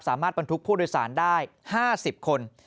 มารถบรรทุกผู้โดยสารได้๕๐คน